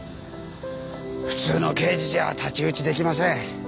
普通の刑事じゃ太刀打ち出来ません。